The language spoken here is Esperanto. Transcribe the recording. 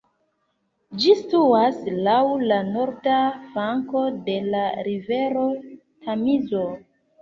Ĝi situas laŭ la norda flanko de la rivero Tamizo.